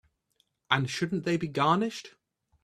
And shouldn't they be garnished?